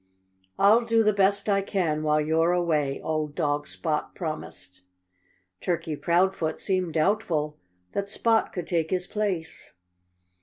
"I'll do the best I can while you're away," old dog Spot promised. Turkey Proudfoot seemed doubtful that Spot could take his place.